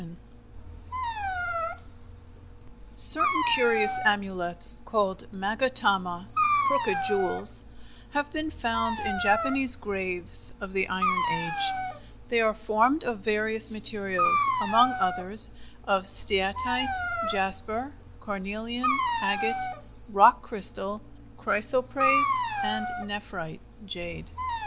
] Certain curious amulets called magatama (crooked jewels) have been found in Japanese graves of the iron age; they are formed of various materials, among others of steatite, jasper, carnelian, agate, rock crystal, chrysoprase and nephrite (jade).